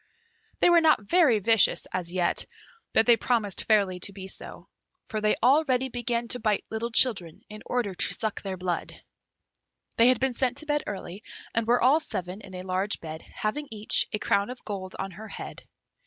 They were not very vicious as yet; but they promised fairly to be so, for they already began to bite little children, in order to suck their blood. They had been sent to bed early, and were all seven in a large bed, having each a crown of gold on her head.